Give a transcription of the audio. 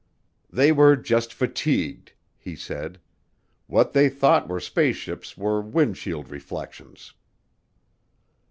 "They were just fatigued," he said. "What they thought were spaceships were windshield reflections."